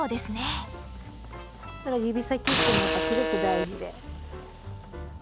指先っていうのはやっぱりすごく大事で。